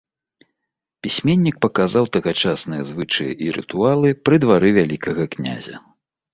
Пісьменнік паказаў тагачасныя звычаі і рытуалы пры двары вялікага князя.